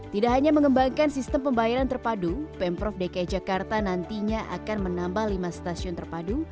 tidak hanya mengembangkan sistem pembayaran terpadu pemprov dki jakarta nantinya akan menambah lima stasiun terpadu